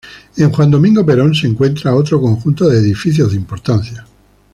Juan D. Perón se encuentra otro conjunto de edificios de importancia.